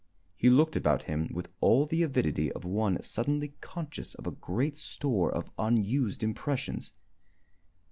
He looked about him with all the avidity of one suddenly conscious of a great store of unused impressions.